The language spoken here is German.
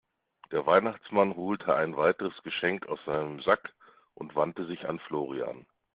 Der Weihnachtsmann holte ein weiteres Geschenk aus seinem Sack und wandte sich an Florian.